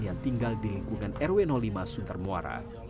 yang tinggal di lingkungan rw lima suntar muara